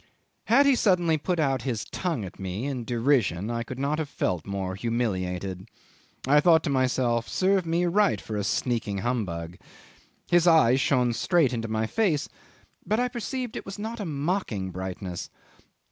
'Had he suddenly put out his tongue at me in derision, I could not have felt more humiliated. I thought to myself Serve me right for a sneaking humbug. ... His eyes shone straight into my face, but I perceived it was not a mocking brightness.